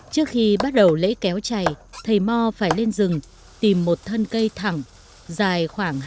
trước khi bắt đầu lễ kéo chày thầy mo phải lên rừng tìm một thân cây thẳng dài khoảng hai năm đến ba mét